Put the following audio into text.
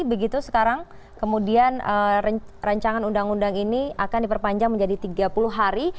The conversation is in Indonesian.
begitu sekarang kemudian rancangan undang undang ini akan diperpanjang menjadi tiga puluh hari